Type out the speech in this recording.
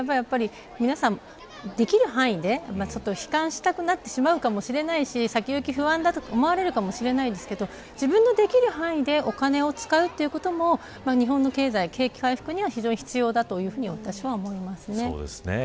で、あるならばみなさんできる範囲で悲観したくなるかもしれませんし先行き不安だと思うかもしれませんが自分のできる範囲でお金を使うということも日本の経済、景気回復には必要だと私は思います。